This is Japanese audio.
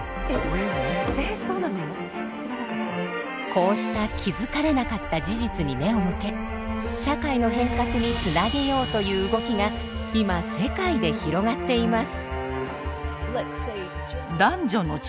こうした気づかれなかった事実に目を向け社会の変革につなげようという動きが今世界で広がっています。